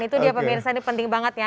itu dia pemirsa ini penting banget ya